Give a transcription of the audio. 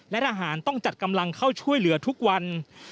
และทหารต้องจัดกำลังเข้าช่วยเหลือทุกวัน